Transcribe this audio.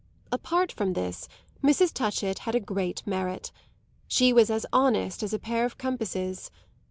Apart from this, Mrs. Touchett had a great merit; she was as honest as a pair of compasses.